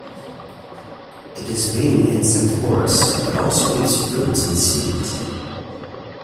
It is mainly insectivorous, but also eats fruits and seeds.